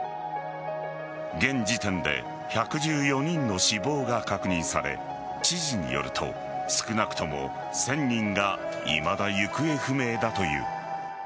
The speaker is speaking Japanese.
現時点で１１４人の死亡が確認され知事によると少なくとも１０００人がいまだ行方不明だという。